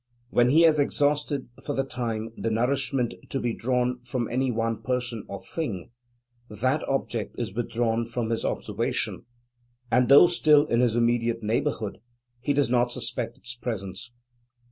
When he has exhausted for the time the nourishment to be drawn from any one person or thing, that object is withdrawn from his observation, and though still in his immediate neighbourhood, he does not suspect its presence.